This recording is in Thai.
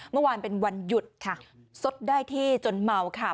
เมื่อวานเป็นวันหยุดค่ะซดได้ที่จนเมาค่ะ